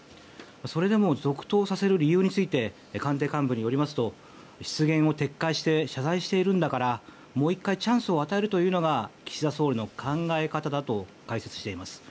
それでも続投させる理由について官邸幹部によりますと失言を撤回して謝罪しているんだからもう１回チャンスを与えるというのが岸田総理の考え方だと解説しています。